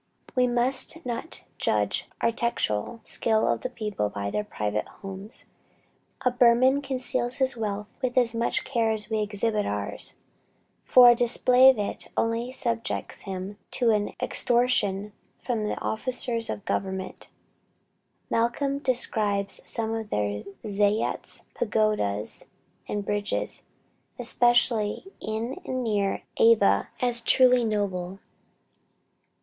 We must not judge of the architectural skill of the people by their private houses. A Burman conceals his wealth with as much care as we exhibit ours, for a display of it only subjects him to extortion from the officers of government. Malcom describes some of their zayats, pagodas and bridges, especially in and near Ava, as truly noble.